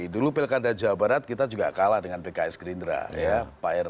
dulu pilkada jawa barat kita juga kalah dengan pks gerindra